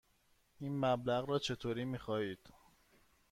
این مبلغ را چطوری می خواهید؟